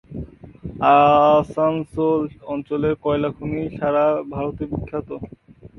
আসানসোল অঞ্চলের কয়লাখনি সারা ভারতে বিখ্যাত।